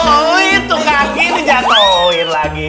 aduh itu kaki ini jatohin lagi